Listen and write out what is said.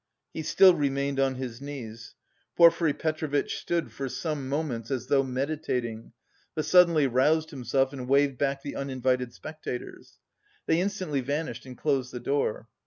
He still remained on his knees. Porfiry Petrovitch stood for some moments as though meditating, but suddenly roused himself and waved back the uninvited spectators. They instantly vanished and closed the door.